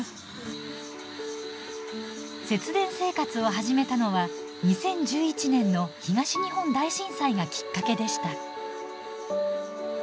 節電生活を始めたのは２０１１年の東日本大震災がきっかけでした。